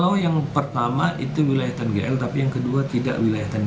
kalau yang pertama itu wilayah tangal tapi yang kedua tidak wilayah tanjung